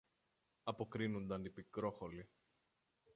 αποκρίνουνταν η Πικρόχολη.